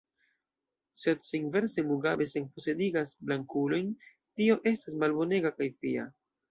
Sed se inverse Mugabe senposedigas blankulojn, tio estas malbonega kaj fia.